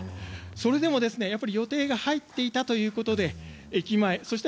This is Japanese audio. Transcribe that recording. それでも予定が入っていたということで駅前そして